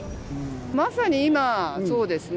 まさに今、そうですね。